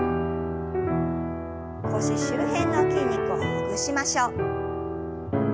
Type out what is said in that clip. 腰周辺の筋肉をほぐしましょう。